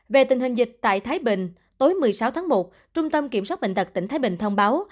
về tình hình dịch tại thái bình tối một mươi sáu tháng một trung tâm kiểm soát bệnh tật tỉnh thái bình thông báo